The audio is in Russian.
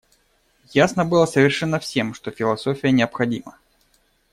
Ясно было совершенно всем, что философия необходима.